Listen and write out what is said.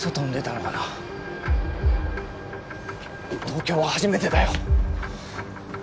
東京は初めてだよ！